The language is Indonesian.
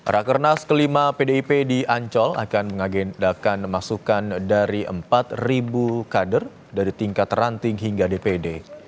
rakernas kelima pdip di ancol akan mengagendakan masukan dari empat kader dari tingkat ranting hingga dpd